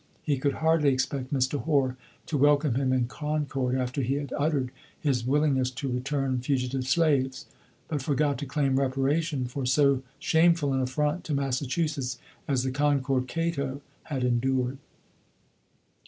He could hardly expect Mr. Hoar to welcome him in Concord after he had uttered his willingness to return fugitive slaves, but forgot to claim reparation for so shameful an affront to Massachusetts as the Concord Cato had endured.